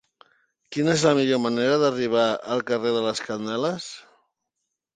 Quina és la millor manera d'arribar al carrer de les Candeles?